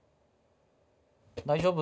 大丈夫？